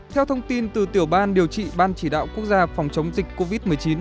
theo thông tin từ tiểu ban điều trị ban chỉ đạo quốc gia phòng chống dịch covid một mươi chín